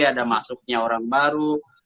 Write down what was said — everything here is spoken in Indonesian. ada masuknya orang baru